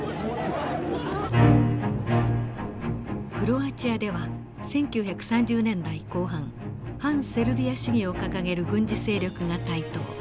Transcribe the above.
クロアチアでは１９３０年代後半反セルビア主義を掲げる軍事勢力が台頭。